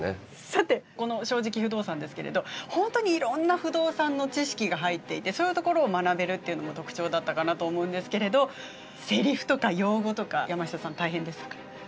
さてこの「正直不動産」ですけれど本当にいろんな不動産の知識が入っていてそういうところを学べるっていうのも特徴だったかなと思うんですけれどセリフとか用語とか山下さん大変でしたか？